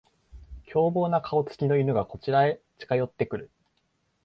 凶暴な顔つきの犬がこちらへ近寄ってくる